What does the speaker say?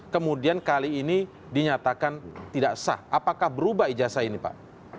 kemudian kali ini dinyatakan tidak sah apakah berubah ijazah ini pak